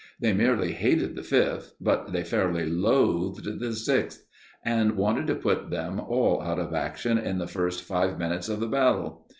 They merely hated the Fifth, but they fairly loathed the Sixth, and wanted to put them all out of action in the first five minutes of the battle.